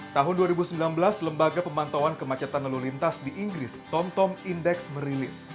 tahun dua ribu sembilan belas lembaga pemantauan kemacetan lalu lintas di inggris tomtom index merilis